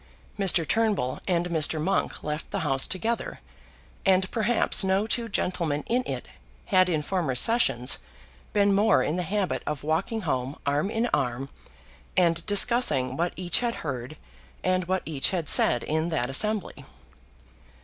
Mr. Turnbull and Mr. Monk left the House together, and perhaps no two gentlemen in it had in former sessions been more in the habit of walking home arm in arm and discussing what each had heard and what each had said in that assembly.